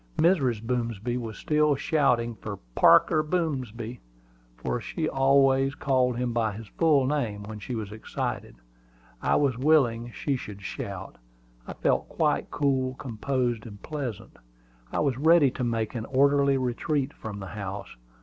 Mrs. Boomsby was still shouting for "Parker Boomsby," for she always called him by his full name when she was excited. I was willing she should shout. I felt quite cool, composed, and pleasant. I was ready to make an orderly retreat from the house.